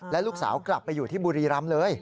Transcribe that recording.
และลูกสาวกลับไปอยู่ที่บุรีรำเลย